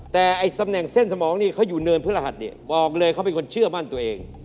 แต่ไอ้ตำแหน่งเส้นสมองนี่เขาอยู่เนินพฤหัสเนี่ยบอกเลยเขาเป็นคนเชื่อมั่นตัวเอง